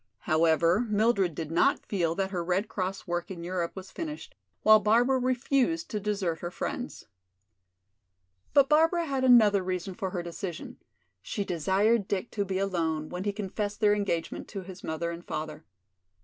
However, Mildred did not feel that her Red Cross work in Europe was finished, while Barbara refused to desert her friends. But Barbara had another reason for her decision: she desired Dick to be alone when he confessed their engagement to his mother and father.